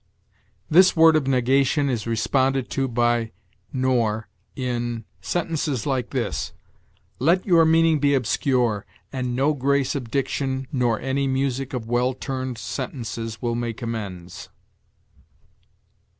This word of negation is responded to by nor in sentences like this: "Let your meaning be obscure, and no grace of diction nor any music of well turned sentences will make amends."